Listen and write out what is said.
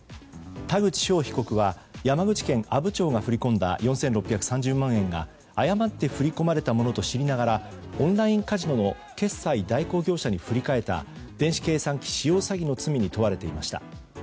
田口翔被告は山口県阿武町が振り込んだ４６３０万円が誤って振り込まれたものと知りながらオンラインカジノの決済代行業者に振り替えた電子計算機使用詐欺の罪に問われていました。